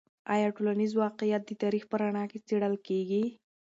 آیا ټولنیز واقعیت د تاریخ په رڼا کې څیړل کیږي؟